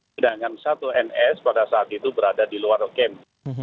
sedangkan satu ns pada saat itu berada di luar camp